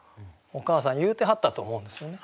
お母さん言うてはったと思うんですよね。